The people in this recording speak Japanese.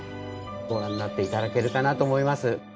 ご覧になって頂けるかなと思います。